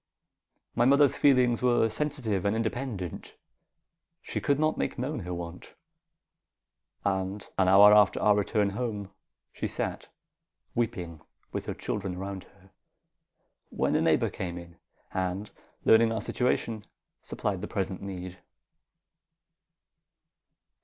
My mother's feelings were sensitive and independent. She could not make known her want. An hour after our return home, she sat weeping with her children around her, when a neighbour came in, and, learning our situation, supplied the present need."